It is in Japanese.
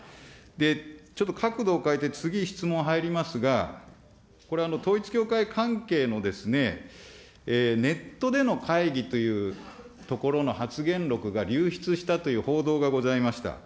で、ちょっと角度を変えて次、質問入りますが、これ、統一教会関係のネットでの会議というところの発言録が流出したという報道がございました。